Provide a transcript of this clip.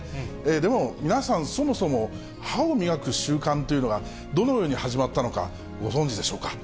でも、皆さん、そもそも歯を磨く習慣というのが、どのように始まったのか、ご存じでしょうか。